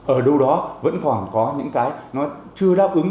ở đâu đó vẫn còn có những cái nó chưa đáp ứng